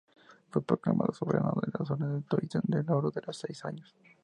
Fue proclamado soberano de la Orden del Toisón de Oro a los seis años.